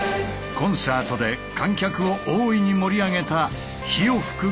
コンサートで観客を大いに盛り上げた火を噴く巨大ドラゴン。